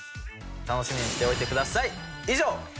楽しみにしておいてください以上。